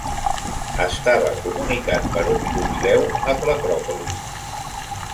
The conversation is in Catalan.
Estava comunicat per un propileu amb l'acròpoli.